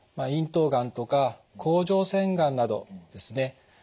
咽頭がんとか甲状腺がんなどですね